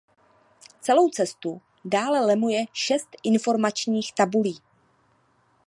Celou cestu dále lemuje šest informačních tabulí.